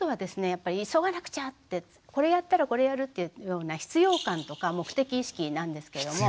やっぱり「急がなくちゃ！」ってこれやったらこれやるっていうような必要感とか目的意識なんですけれども。